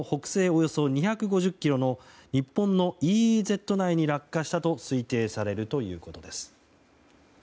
およそ２５０ｋｍの日本のＥＥＺ内に落下したと推定されるということです。